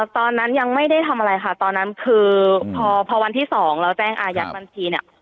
ตอนนั้นยังไม่ได้ทำอะไรค่ะตอนนั้นคือพอวันที่๒แล้วแจ้งอายัดบัญชีเนี่ย